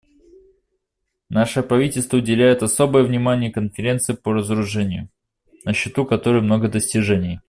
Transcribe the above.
Наше правительство уделяет особое внимание Конференции по разоружению, на счету которой много достижений.